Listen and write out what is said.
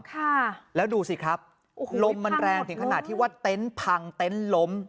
ค่ะแล้วดูสิครับโอ้โหลมมันแรงถึงขนาดที่ว่าเต็นต์พังเต็นต์ล้ม